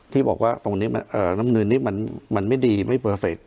ที่บอกว่าตรงนี้มันน้ำนืนนี้มันมันไม่ดีไม่เพอร์เฟค